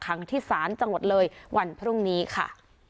ขังที่ศาลจังหวัดเลยวันพรุ่งนี้ค่ะ